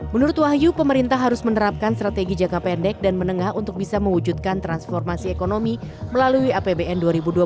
menurut wahyu pemerintah harus menerapkan strategi jangka pendek dan menengah untuk bisa mewujudkan transformasi ekonomi melalui apbn dua ribu dua puluh